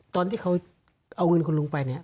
ตอนที่เขาเอาเงินคุณลุงไปเนี่ย